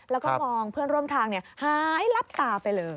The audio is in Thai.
แล้วก็มองเพื่อนร่วมทางหายลับตาไปเลย